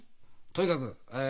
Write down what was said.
とにかくえ